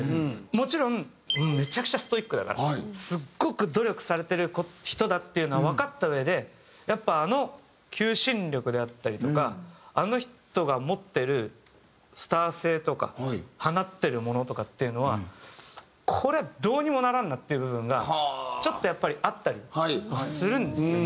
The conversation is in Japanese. もちろんめちゃくちゃストイックだからすっごく努力されてる人だっていうのはわかったうえでやっぱあの求心力であったりとかあの人が持ってるスター性とか放ってるものとかっていうのはこりゃどうにもならんなっていう部分がちょっとやっぱりあったりするんですよね。